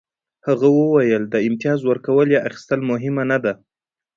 هغه وویل د امتیاز ورکول یا اخیستل مهمه نه ده